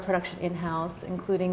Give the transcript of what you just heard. produksi kami secara in house termasuk